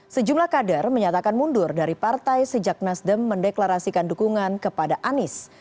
sejumlah kader menyatakan mundur dari partai sejak nasdem mendeklarasikan dukungan kepada anies